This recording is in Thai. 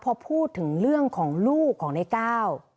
พอพูดถึงเรื่องของลูกของในก้าว